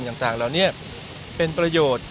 กำลังให้สิ่งต่างอีกเป็นประโยชน์